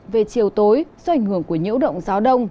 về chiều tối do ảnh hưởng của nhiễu động gió đông